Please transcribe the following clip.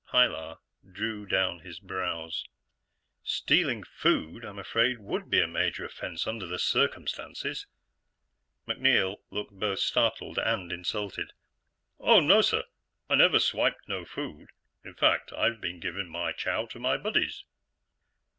Pilar drew down his brows. "Stealing food, I'm afraid, would be a major offense, under the circumstances." MacNeil looked both startled and insulted. "Oh, nossir! I never swiped no food! In fact, I've been givin' my chow to my buddies."